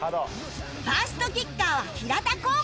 ファーストキッカーは平田光寛